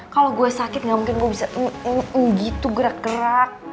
kalau gue sakit gak mungkin gue bisa gitu gerak gerak